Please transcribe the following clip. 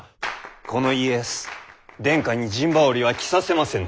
この家康殿下に陣羽織は着させませぬ。